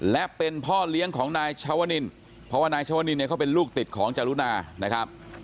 และเป็นพ่อเลี้ยงของนายชวนินเพราะว่านายชวนินเนี่ยเขาเป็นลูกติดของจรุณานะครับ